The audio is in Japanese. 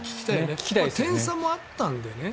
点差もあったんだよね。